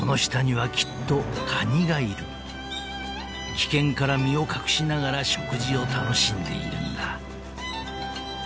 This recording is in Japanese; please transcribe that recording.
［危険から身を隠しながら食事を楽しんでいるんだ］